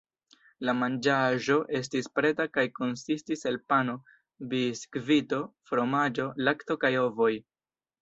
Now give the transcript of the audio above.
La manĝaĵo estis preta kaj konsistis el pano, biskvito, fromaĝo, lakto kaj ovoj.